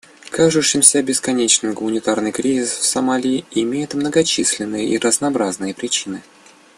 Кажущийся бесконечным гуманитарный кризис в Сомали имеет многочисленные и разнообразные причины.